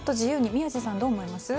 宮司さん、どう思います？